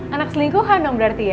anak selingkuh kandung berarti ya